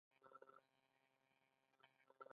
د ویلچیر باسکیټبال ټیم بریالی دی.